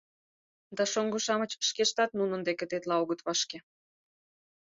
Да шоҥго-шамыч шкештат нунын деке тетла огыт вашке.